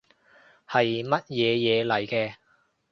係乜嘢嘢嚟嘅